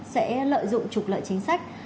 sẽ lợi dụng trục lợi chính sách